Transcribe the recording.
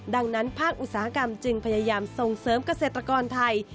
ดังนั้นภาคอุตสาหกรรมจึงพยายามส่งเสริมเกษตรกรไทย